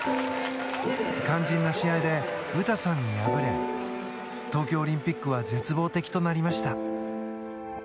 肝心な試合で、詩さんに敗れ東京オリンピックは絶望的となりました。